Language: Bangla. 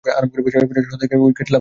এ পর্যায়ে শতাধিক উইকেট লাভ করেন।